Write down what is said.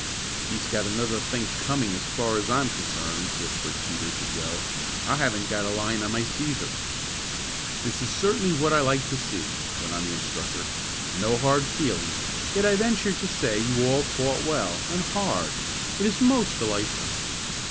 "He's got another think coming as far as I'm concerned," whispered Teeter to Joe. "I haven't got a line of my Cæsar." "This is certainly what I like to see," went on the instructor. "No hard feelings, yet I venture to say you all fought well, and hard. It is most delightful."